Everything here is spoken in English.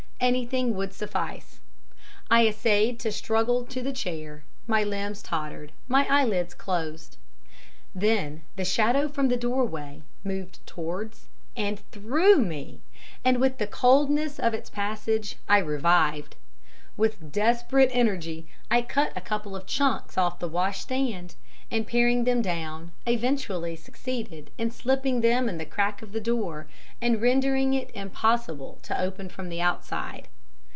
Anything would suffice. I essayed to struggle to the chair, my limbs tottered, my eyelids closed. Then the shadow from the doorway moved towards and THROUGH me, and with the coldness of its passage I revived! With desperate energy I cut a couple of chunks off the washstand, and paring them down, eventually succeeded in slipping them in the crack of the door, and rendering it impossible to open from the outside.